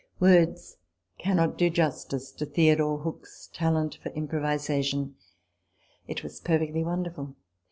Words cannot do justice to Theodore Hook's talent for improvisation : it was perfectly wonder ful.